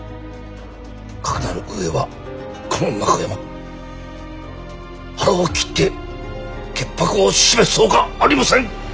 かくなる上はこの中山腹を切って潔白を示すほかありません。